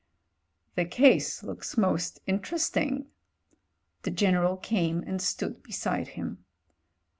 "The case looks most interesting." The General came and stood beside him.